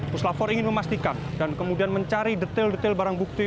puslafor ingin memastikan dan kemudian mencari detail detail barang bukti